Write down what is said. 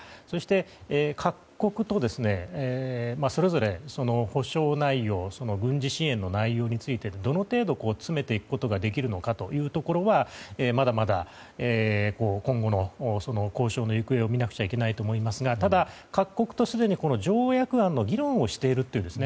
そして、各国とそれぞれ保障内容軍事支援の内容についてどの程度詰めていくことができるのかというところはまだまだ今後の交渉の行方を見なきゃいけないと思いますがただ、各国とすでに条約案の議論をしていると。